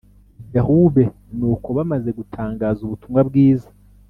i derube nuko bamaze gutangaza ubutumwa bwiza